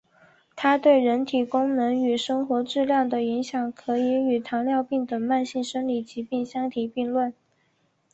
它对人体功能与生活质量的影响可以与糖尿病等慢性生理疾病相提并论。